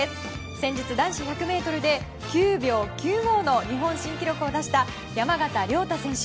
先日、男子１００ｍで９秒９５の日本新記録を出した山縣亮太選手。